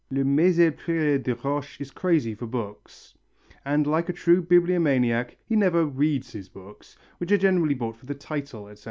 Le Maisel Prieur des Roches is crazy for books, and like a true bibliomaniac he never reads his books, which are generally bought for the title, etc.